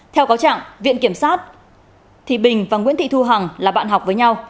theo cáo trạng viện kiểm sát thì bình và nguyễn thị thu hằng là bạn học với nhau